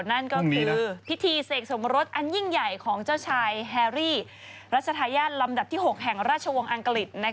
นั่นก็คือพิธีเสกสมรสอันยิ่งใหญ่ของเจ้าชายแฮรี่รัชธาญาติลำดับที่๖แห่งราชวงศ์อังกฤษ